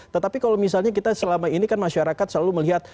tetapi kalau misalnya kita selama ini kan masyarakat selalu melihat